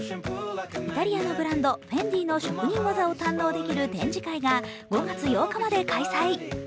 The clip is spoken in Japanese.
イタリアのブランド・フェンディの職人技を堪能できる展示会が５月８日まで開催。